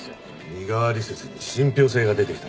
身代わり説に信憑性が出てきたな。